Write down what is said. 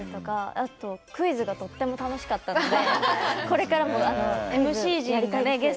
あとクイズがとても楽しかったのでこれからもやりたいです。